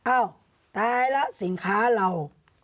อ้าวตายแล้วสินค้าเรา